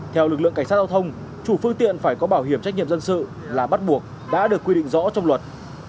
theo lực lượng cảnh sát giao thông chủ phương tiện phải có bảo hiểm trách nhiệm dân sự là bắt buộc đã được quy định rõ trong luật